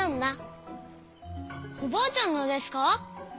おばあちゃんのですか？